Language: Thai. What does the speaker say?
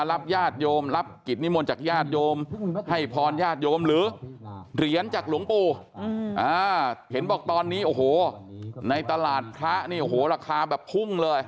โอ้โหในตลาดพระเนี่ยโอ้โหราคาแบบพุ่งเลย